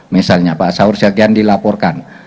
misalnya pak saur sekian dilaporkan